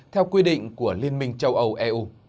theo quy định của liên minh châu âu eu